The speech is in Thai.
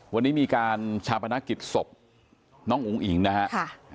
วันนี้มีการชาปนักกิจศพน้องอู๋อิ่งนะฮะ